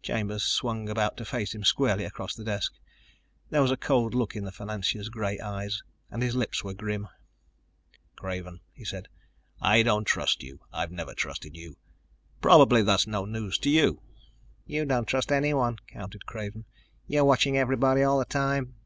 Chambers swung about to face him squarely across the desk. There was a cold look in the financier's gray eyes and his lips were grim. "Craven," he said, "I don't trust you. I've never trusted you. Probably that's no news to you." "You don't trust anyone," countered Craven. "You're watching everybody all the time."